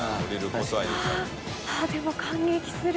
水卜）でも感激する。